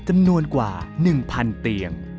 จำนวนกว่า๑๐๐๐เตียง